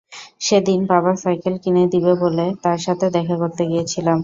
সেদিন বাবা সাইকেল কিনে দিবে বলে তার সাথে দেখা করতে গিয়েছিলাম।